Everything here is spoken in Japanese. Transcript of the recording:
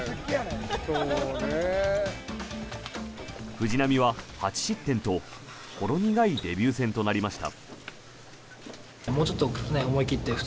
藤浪は８失点とほろ苦いデビュー戦となりました。